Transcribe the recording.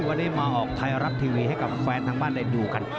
วันนี้มาออกไทยรัฐทีวีให้กับแฟนทางบ้านได้ดูกัน